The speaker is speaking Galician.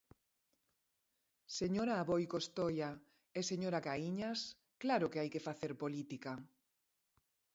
Señora Aboi Costoia e señora Caíñas, ¡claro que hai que facer política!